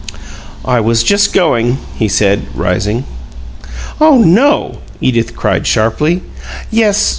"I was just going," he said, rising. "Oh NO!" Edith cried, sharply. "Yes.